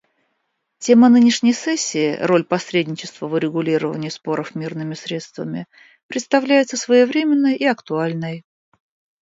Тема нынешней сессии — «Роль посредничества в урегулировании споров мирными средствами» — представляется своевременной и актуальной.